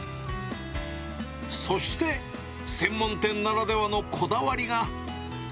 そして、専門店ならではのこだわりが。